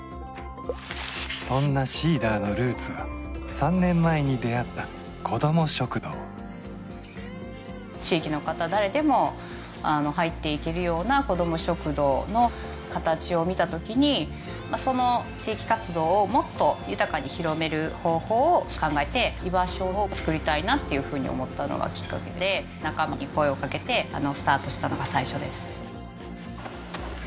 そんなＳｅｅｄｅｒのルーツは３年前に出会った子ども食堂地域の方誰でも入っていけるような子ども食堂の形を見たときにその地域活動をもっと豊かに広める方法を考えて居場所を作りたいなっていうふうに思ったのがきっかけで仲間に声をかけてスタートしたのが最初です